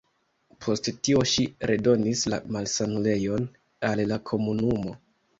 Post tio ŝi redonis la malsanulejon al la komunumo.